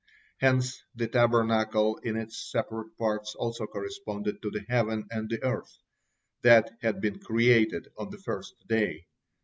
Hence the Tabernacle in its separate parts also corresponded to the heaven and the earth, that had been created on the first day.